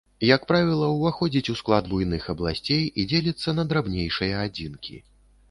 Як правіла, уваходзіць у склад буйных абласцей і дзеліцца на драбнейшыя адзінкі.